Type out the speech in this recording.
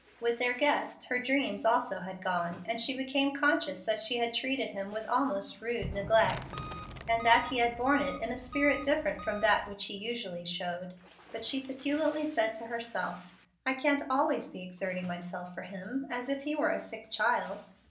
With their guest, her dreams also had gone, and she became conscious that she had treated him with almost rude neglect, and that he had borne it in a spirit different from that which he usually showed. But she petulantly said to herself, "I can't always be exerting myself for him as if he were a sick child."